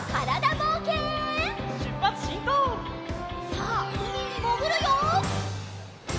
さあうみにもぐるよ！